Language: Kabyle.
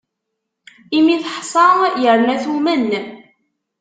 Imi teḥsa, yerna tumen.